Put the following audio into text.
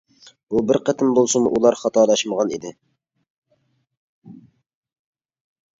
بۇ بىر قېتىم بولسىمۇ ئۇلار خاتالاشمىغان ئىدى.